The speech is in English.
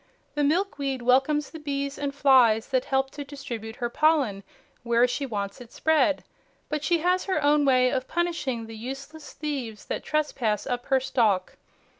The milkweed welcomes the bees and flies that help to distribute her pollen where she wants it spread, but she has her own way of punishing the useless thieves that trespass up her stalk.